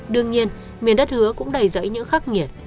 đương nhiên miền đất hứa cũng đầy rẫy những khắc nghiệt